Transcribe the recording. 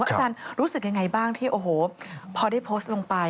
อาจารย์รู้สึกยังไงบ้างที่โอ้โหพอได้โพสต์ลงไป